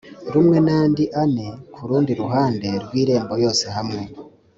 rumwe n andi ane ku rundi ruhande rw irembo yose hamwe